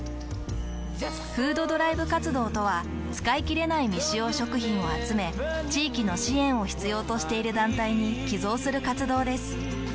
「フードドライブ活動」とは使いきれない未使用食品を集め地域の支援を必要としている団体に寄贈する活動です。